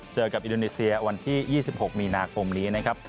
เจอกับอินโดนีเซียวันที่๒๖มีนาคมนี้นะครับ